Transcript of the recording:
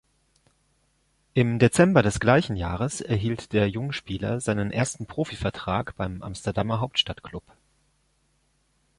Im Dezember des gleichen Jahres erhielt der Jungspieler seinen ersten Profivertrag beim Amsterdamer Hauptstadtklub.